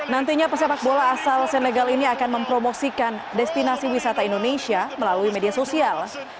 nantinya pesepak bola asal senegal ini akan mempromosikan destinasi wisata indonesia melalui media sosial